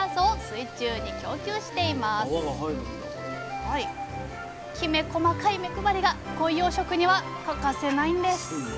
きめ細かい目配りがコイ養殖には欠かせないんです